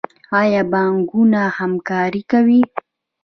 آیا بانکونه همکاري کوي؟